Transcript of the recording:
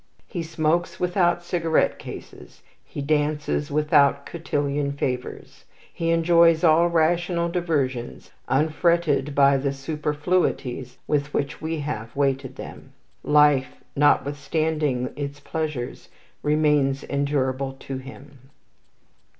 He smokes without cigarette cases. He dances without cotillion favours. He enjoys all rational diversions, unfretted by the superfluities with which we have weighted them. Life, notwithstanding its pleasures, remains endurable to him.